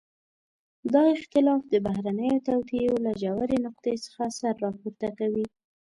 دا اختلاف د بهرنيو توطئو له ژورې نقطې څخه سر راپورته کوي.